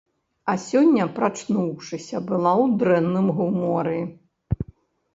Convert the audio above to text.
А сёння, прачнуўшыся, была ў дрэнным гуморы.